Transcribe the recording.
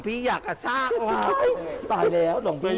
พี่บอกว่าบ้านทุกคนในที่นี่